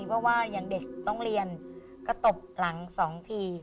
เพราะว่าอย่างเด็กต้องเรียนก็ตบหลัง๒ที